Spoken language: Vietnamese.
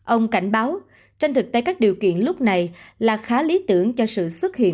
ông cảnh báo tranh thực tại các điều kiện lúc này là khá lý tưởng cho sự xuất hiện